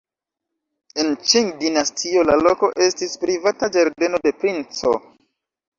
En Ĉing-dinastio la loko estis privata ĝardeno de princo.